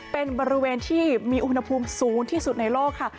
เป็นบริเวณที่มีอุณหภูมิสูงที่สุดในโลกค่ะ